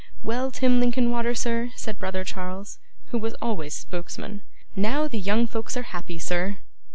'Well, Tim Linkinwater, sir,' said brother Charles, who was always spokesman, 'now the young folks are happy, sir.